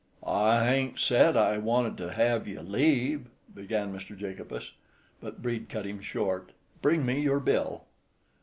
"I hain't said I wanted to hev ye leave——" began Mr. Jacobus; but Brede cut him short. "Bring me your bill."